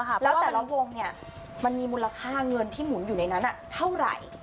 แล้วแต่ละวงเนี่ยมันมีมูลค่าเงินที่หมุนอยู่ในนั้นเท่าไหร่